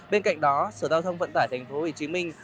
bên cạnh đó sở giao thông vận tải thành phố hồ chí minh